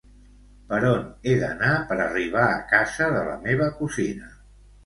Per on he d'anar per arribar a casa de la meva cosina?